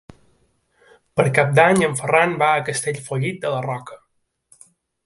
Per Cap d'Any en Ferran va a Castellfollit de la Roca.